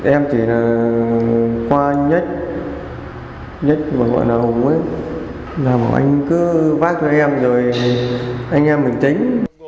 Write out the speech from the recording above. em chỉ là qua nhách nhách mà gọi là hùng ấy là anh cứ vác cho em rồi anh em mình tính